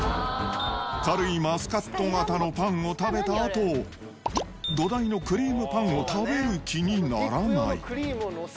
軽いマスカット形のパンを食べたあと、土台のクリーンパンを食べる気にならない。